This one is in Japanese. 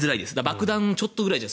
爆弾ちょっとぐらいじゃ